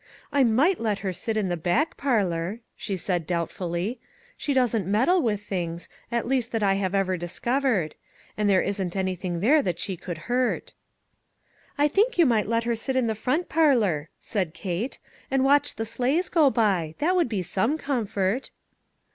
" I might let her sit in the back parlor," she said, doubtfully ;" she doesn't meddle with things, at least that I have ever discovered ; and there isn't anything there that she could hurt." " I think you might let her sit in the front parlor," said Kate, " and watch the sleighs g;o by ; that would be some comfort."